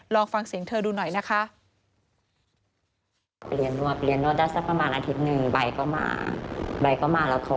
ลองฟังเสียงเธอดูหน่อยนะคะ